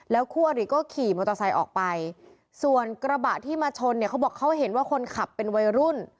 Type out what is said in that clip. คู่อริก็ขี่มอเตอร์ไซค์ออกไปส่วนกระบะที่มาชนเนี่ยเขาบอกเขาเห็นว่าคนขับเป็นวัยรุ่น